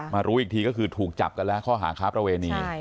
รู้อีกทีก็คือถูกจับกันแล้วข้อหาค้าประเวณี